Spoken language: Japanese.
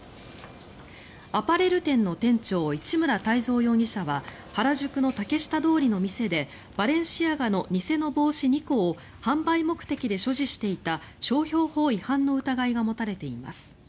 アパレル店の店長市村泰三容疑者は原宿の竹下通りの店でバレンシアガの偽の帽子２個を販売目的で所持していた商標法違反の疑いが持たれています。